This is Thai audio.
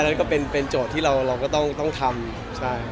นั้นก็เป็นแผนจอดที่เราก็ต้องทำ